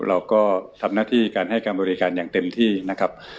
เราก็ทำหน้าที่การให้การบริการอย่างเต็มที่นะครับ